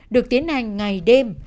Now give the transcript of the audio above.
được tiến hành ngày đêm